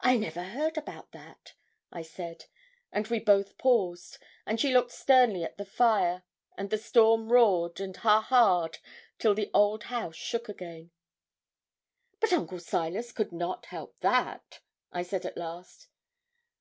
'I never heard about that,' I said; and we both paused, and she looked sternly at the fire, and the storm roared and ha ha ed till the old house shook again. 'But Uncle Silas could not help that,' I said at last.